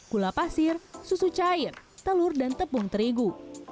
gula pasir susu cair telur dan tepung terigu